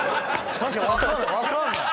確かにわかんない。